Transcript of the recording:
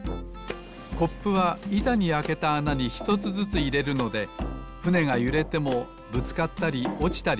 コップはいたにあけたあなにひとつずついれるのでふねがゆれてもぶつかったりおちたりしません。